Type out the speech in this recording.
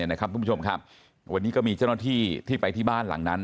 คุณผู้ชมครับวันนี้ก็มีเจ้าหน้าที่ที่ไปที่บ้านหลังนั้น